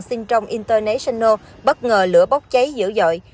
sinh trong international bất ngờ lửa bốc cháy dữ dội